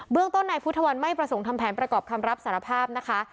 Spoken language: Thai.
ต้นนายพุทธวันไม่ประสงค์ทำแผนประกอบคำรับสารภาพนะคะ